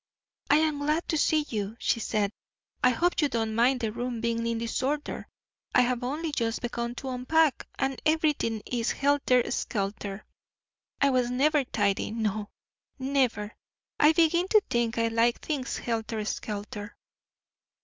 "I am glad to see you," she said. "I hope you don't mind the room being in disorder. I have only just begun to unpack, and everything is helter skelter. I was never tidy—no, never! I begin to think I like things helter skelter."